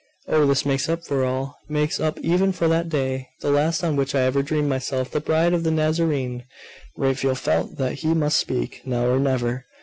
Oh, this makes up for all! Makes up even for that day, the last on which I ever dreamed myself the bride of the Nazarene!' Raphael felt that he must speak, now or never.